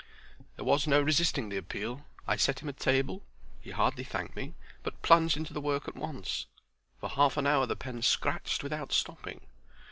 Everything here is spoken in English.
There was no resisting the appeal. I set him a table; he hardly thanked me, but plunged into the work at once. For half an hour the pen scratched without stopping.